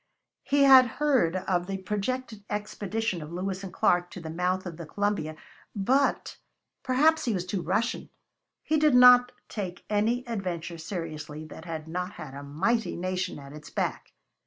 He had heard of the projected expedition of Lewis and Clarke to the mouth of the Columbia, but perhaps he was too Russian he did not take any adventure seriously that had not a mighty nation at its back.